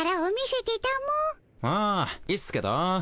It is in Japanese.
あいいっすけど。